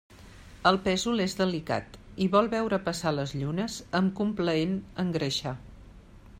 El pésol és delicat i vol veure passar les llunes amb complaent engreixar.